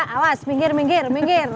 awas minggir minggir minggir